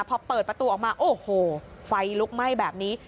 พอเปิดประตูออกมาโอ้โหไฟลุกไหม้แบบนี้